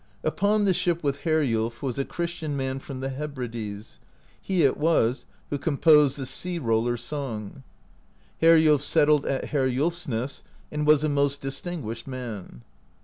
Upon the ship with Heriulf was a Christian man from the Hebrides, he it was who composed the Sea Rollers' Song (h;3), Heriulf settled at Heriulfsness, and was a most distinguished man.